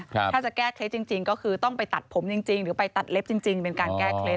ถ้าจะแก้เคล็ดจริงก็คือต้องไปตัดผมจริงหรือไปตัดเล็บจริงเป็นการแก้เคล็ด